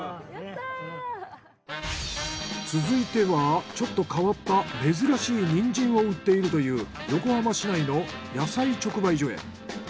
続いてはちょっと変わった珍しいニンジンを売っているという横浜市内の野菜直売所へ。